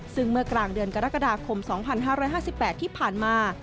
ซึ่งเมื่อกลางเดือนกรกฎาคม๒๕๕๘ที่ผ่านมา